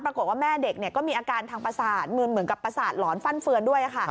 ปรากฏว่าแม่เด็กก็มีอาการทางประสาทเหมือนกับประสาทหลอนฟั่นเฟือนด้วยค่ะ